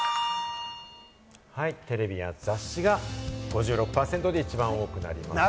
テレビや雑誌が５６％で一番多くなりました。